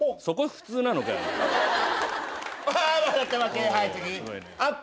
そこ普通なのかよ。